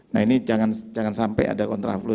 nah ini jangan sampai ada kontraflow